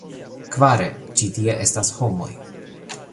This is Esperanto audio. Kvare, ĉi tie estas homoj.